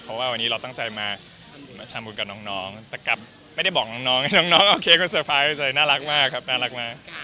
เพราะว่าวันนี้เราตั้งใจมาทำบุญกับน้องแต่กลับไม่ได้บอกน้องโอเคก็เตอร์ไพรส์น่ารักมากครับน่ารักมาก